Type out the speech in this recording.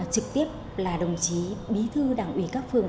trực tiếp là đồng chí bí thư đảng ủy các phường